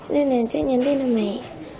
nên là chắc nhắn tin là mày